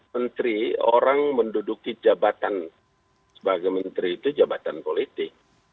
menteri orang menduduki jabatan sebagai menteri itu jabatan politik